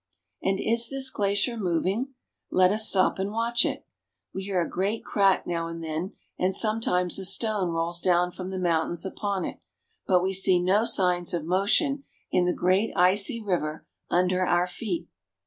And is this glacier moving ? Let us stop and watch it. We hear a great crack now and then, and sometimes a stone rolls down from the mountains upon it ; but we see no signs of motion in the great icy river under our feet.